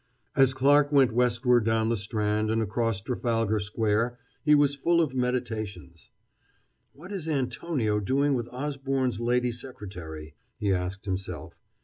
As Clarke went westward down the Strand and across Trafalgar Square, he was full of meditations. "What is Antonio doing with Osborne's lady secretary?" he asked himself.